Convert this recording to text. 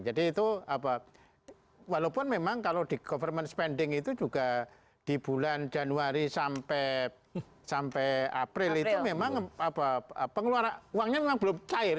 jadi itu walaupun memang kalau di government spending itu juga di bulan januari sampai april itu memang pengeluaran uangnya memang belum cair